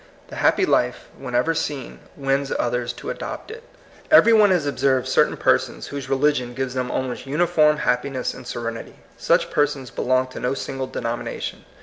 The happy life, whenever seen, wins others to adopt it. Every one has observed certain persons whose religion gives them almost uniform happiness and serenity. Such persons be long to no single denomination.